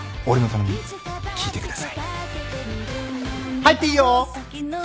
入っていいよ！